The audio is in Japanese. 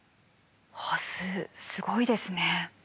ハスすごいですね。